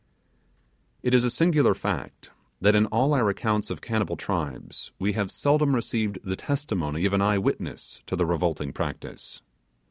It is a singular fact, that in all our accounts of cannibal tribes we have seldom received the testimony of an eye witness account to this revolting practice.